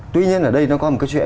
tuy nhiên ở đây nó có một cái chuyện